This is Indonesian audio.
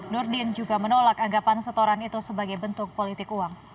nurdin juga menolak anggapan setoran itu sebagai bentuk politik uang